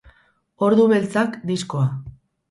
Ordu beltzak, diskoa.